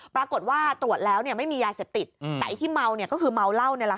ปรากฏว่าตรวจแล้วไม่มียาเสพติดแต่ไอ้ที่เมาก็คือเมาเหล้า